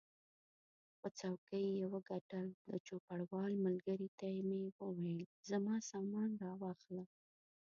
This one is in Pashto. خو څوکۍ یې وګټل، د چوپړوال ملګري ته مې وویل زما سامان را واخله.